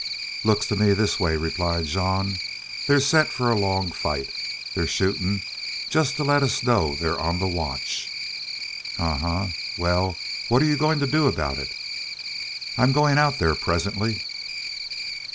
"Looks to me this way," replied Jean. "They're set for a long fight. They're shootin' just to let us know they're on the watch." "Ahuh! Wal, what 're you goin' to do aboot it?" "I'm goin' out there presently."